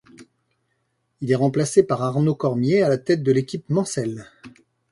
Il est remplacé par Arnaud Cormier à la tête de l'équipe mancelle.